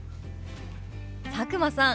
佐久間さん